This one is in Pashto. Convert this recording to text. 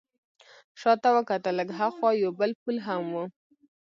شا ته وکتل، لږ ها خوا یو بل پل هم و.